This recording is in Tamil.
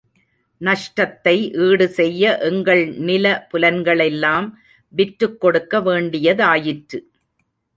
நஷ்டத்தை ஈடு செய்ய எங்கள் நில புலன்களெல்லாம் விற்றுக் கொடுக்க வேண்டியதாயிற்று.